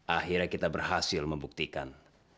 akhirnya kita berhasil membuktikan